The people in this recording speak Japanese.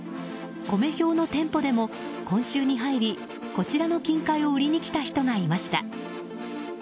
コメ兵の店舗でも今週に入りこちらの金塊を売りに来た人がいました。